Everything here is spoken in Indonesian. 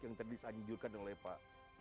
yang tadi disanjurkan oleh pak